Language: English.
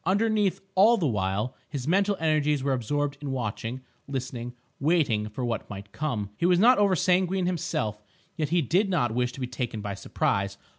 Underneath, all the while, his mental energies were absorbed in watching, listening, waiting for what might come. He was not over sanguine himself, yet he did not wish to be taken by surprise.